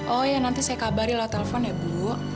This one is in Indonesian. oh ya nanti saya kabarin lo telepon ya bu